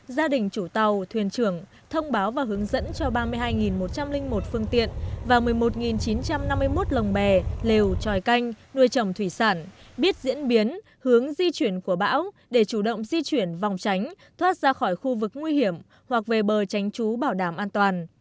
gia đình chủ tàu thuyền trưởng thông báo và hướng dẫn cho ba mươi hai một trăm linh một phương tiện và một mươi một chín trăm năm mươi một lồng bè lều tròi canh nuôi trồng thủy sản biết diễn biến hướng di chuyển của bão để chủ động di chuyển vòng tránh thoát ra khỏi khu vực nguy hiểm hoặc về bờ tránh trú bảo đảm an toàn